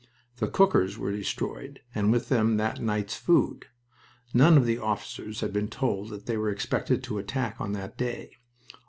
The cookers were destroyed, and with them that night's food. None of the officers had been told that they were expected to attack on that day.